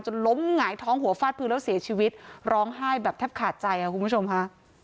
ล้มหงายท้องหัวฟาดพื้นแล้วเสียชีวิตร้องไห้แบบแทบขาดใจค่ะคุณผู้ชมค่ะ